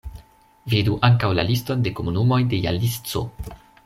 Vidu ankaŭ la liston de komunumoj de Jalisco.